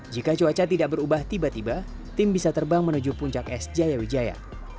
jika cuaca tidak berubah tiba tiba tim bisa terbang menuju puncak es jaya wijaya